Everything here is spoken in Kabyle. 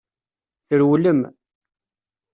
Trewlem.